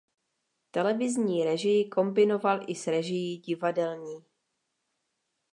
Televizní režii kombinoval i s režií divadelní.